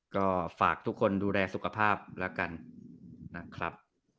ก็ฝากทุกคนดูแลสุขภาพแล้วกันนะครับ